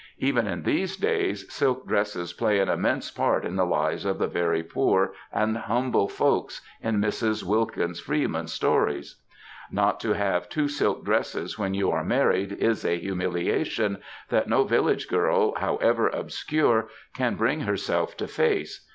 Even in these days, silk 286 MEN, WOMEN, AND MINXES dresses play an immense part in the lives of the very poor and humble folks in Mrs, Wilkins Freeman^s stories. Not to have two silk dresses when you are married is a humilia tion that no village girl, however obscure, can bring herself to face.